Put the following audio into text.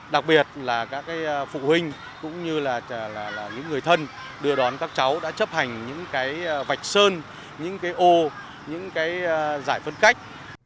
đặc biệt là các phụ huynh cũng như là những người thân đưa đón các cháu đã chấp hành những cái vạch sơn những cái ô những cái giải phân cách